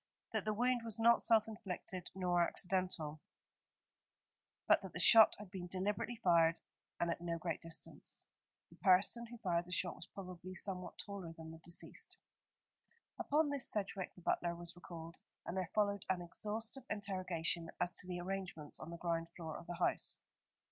That the wound was not self inflicted nor accidental; but that the shot had been deliberately fired and at no great distance. The person who fired the shot was probably somewhat taller than the deceased. Upon this Sedgewick, the butler, was recalled, and there followed an exhaustive interrogation as to the arrangements on the ground floor of the house.